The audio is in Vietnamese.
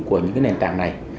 của những nền tảng này